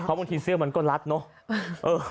เพราะบางทีเสื้อมันก็ลัดเนอะ